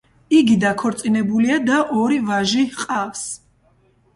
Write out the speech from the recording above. იგი დაქორწინებულია და ორი ვაჟი ჰყავს.